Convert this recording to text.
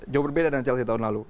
jauh berbeda dengan chelsea tahun lalu